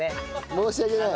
申し訳ない。